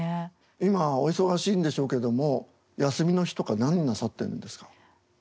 今お忙しいんでしょうけども休みの日とか何なさってるんですか？